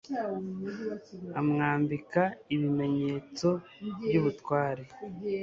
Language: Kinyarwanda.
amwambika ibimenyetso by'ubutware